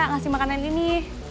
ngasih makanan ini